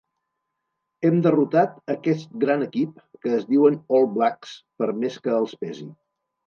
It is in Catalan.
Hem derrotat aquest gran equip que es diuen All Blacks, per més que els pesi.